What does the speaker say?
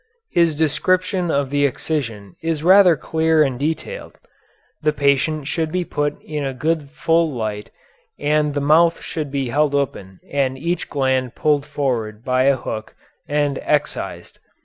His description of the excision is rather clear and detailed. The patient should be put in a good full light, and the mouth should be held open and each gland pulled forward by a hook and excised.